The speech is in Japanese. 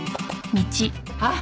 あっ！